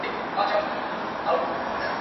که مو بېل کړمه بیا نه یمه دوستانو.